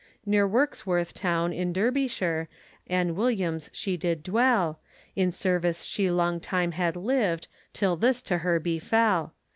Near Wirksworth town in Derbyshire, Ann Williams she did dwell, In service she long time had lived, Till this to her befel.